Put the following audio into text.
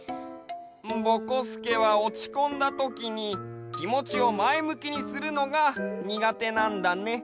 ぼこすけはおちこんだときにきもちをまえむきにするのがにがてなんだね。